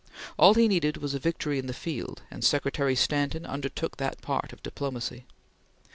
All he needed was a victory in the field, and Secretary Stanton undertook that part of diplomacy.